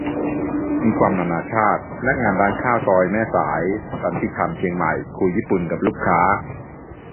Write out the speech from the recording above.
มีความนานาชาติ พนักงานร้านข้าวซอยแม่สาย สันติธรรม เชียงใหม่ คุยญี่ปุ่นกับลูกค้า